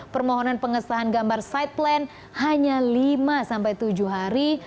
permohonan pengesahan gambar side plan hanya lima sampai tujuh hari